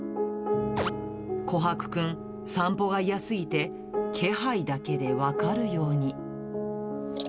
コハクくん、散歩が嫌すぎて、気配だけで分かるように。